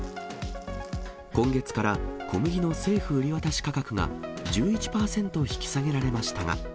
今月から小麦の政府売り渡し価格が１１％引き下げられましたが。